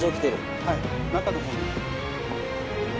・はい中のほうに。